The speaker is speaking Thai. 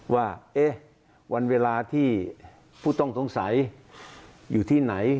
ว่าวันเวลาที่ผู้ต้องสงสัยอยู่ที่ไหน